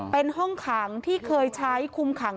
เป็นห้องขังที่เคยใช้คุมขัง